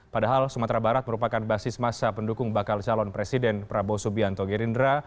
padahal sumatera barat merupakan basis masa pendukung bakal calon presiden prabowo subianto gerindra